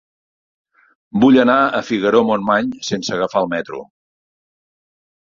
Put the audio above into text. Vull anar a Figaró-Montmany sense agafar el metro.